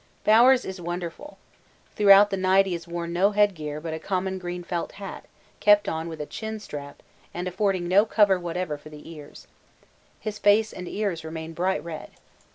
Bowers is wonderful. Throughout the night he has worn no head gear but a common green felt hat kept on with a chin stay and affording no cover whatever for the ears. His face and ears remain bright red.